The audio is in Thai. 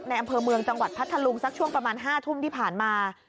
อำเภอเมืองจังหวัดพัทธลุงสักช่วงประมาณ๕ทุ่มที่ผ่านมา